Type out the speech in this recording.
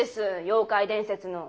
妖怪伝説の。